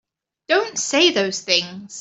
Don't say those things!